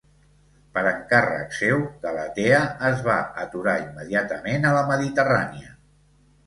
Per encàrrec seu, "Galatea" es va aturar immediatament a la Mediterrània.